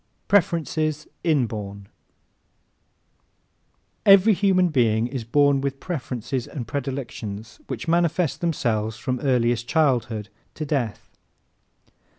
Preferences Inborn ¶ Every human being is born with preferences and predilections which manifest themselves from earliest childhood to death.